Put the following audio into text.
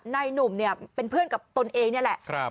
นายหนุ่มเนี่ยเป็นเพื่อนกับตนเองนี่แหละ